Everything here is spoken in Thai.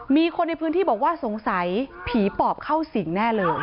มีคนในพื้นที่บอกว่าสงสัยผีปอบเข้าสิงแน่เลย